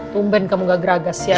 tumben kamu nggak geragas ya